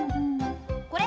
これ？